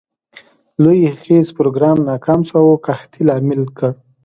لوی خیز پروګرام ناکام شو او د قحطي لامل ګړ.